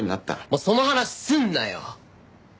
もうその話すんなよ！